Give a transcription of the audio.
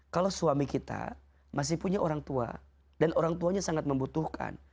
kalau suami kita masih punya orang tua dan orang tuanya sangat membutuhkan